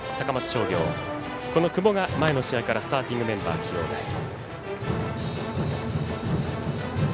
商業この久保が前の試合からスターティングメンバー起用です。